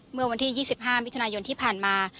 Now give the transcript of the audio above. เมื่อวันที่๒๕มิถุนายนที่ผ่านมา